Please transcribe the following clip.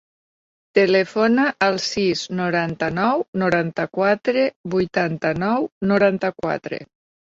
Telefona al sis, noranta-nou, noranta-quatre, vuitanta-nou, noranta-quatre.